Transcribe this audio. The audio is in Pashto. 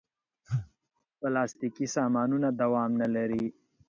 پلاستيکي سامانونه دوام نه لري.